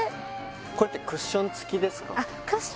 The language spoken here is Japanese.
これってクッション付きですか？